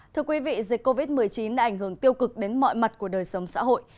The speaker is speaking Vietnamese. thưa quý vị dịch covid một mươi chín đã ảnh hưởng tiêu cực đến mọi mặt của đời sống xã hội